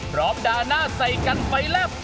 พร้อมด่าหน้าใส่กันไปแล้ว